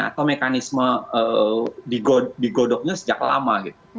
atau mekanisme digodoknya sejak lama